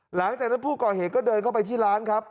หลังจากนั้นผู้ก่อเหตุก็เดินเข้าไปที่ร้านครับ